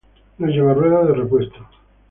No lleva rueda de repuesto.